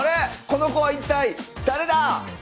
この子は一体誰だ！